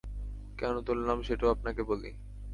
কেন তুললাম সেটাও আপনাকে বলি।